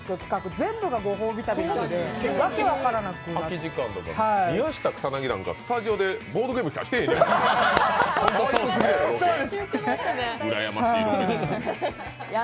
全部がご褒美旅なので、ワケ分からなく宮下草薙なんかスタジオでボードゲームしかしてへん。